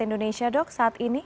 indonesia dok saat ini